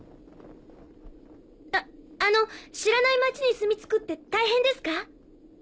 ああの知らない町に住みつくって大変ですか？